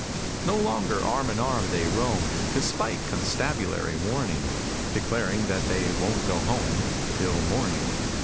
No longer arm in arm they roam, Despite constabulary warning, Declaring that they won't go home Till morning!